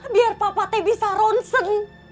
biar papa teh bisa ronsen